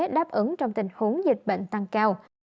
đáp ứng trong tình huống dịch bệnh tăng cao